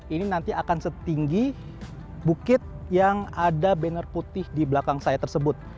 ini nanti akan setinggi bukit yang ada banner putih di belakang saya tersebut